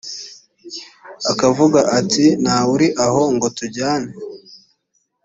akavuga ati nta wuri aho ngo tujyane